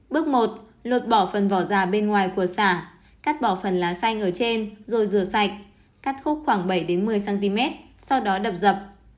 bước một lột bỏ phần vỏ già bên ngoài của xả cắt bỏ phần lá xanh ở trên rồi rửa sạch cắt khúc khoảng bảy một mươi cm sau đó đập dập